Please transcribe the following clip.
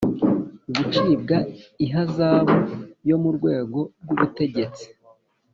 Gucibwa ihazabu yo mu rwego rw ubutegetsi